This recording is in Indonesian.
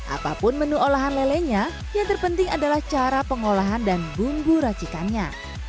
apapun menu olahan lelenya yang terpenting adalah cara pengolahan dan bumbu racikannya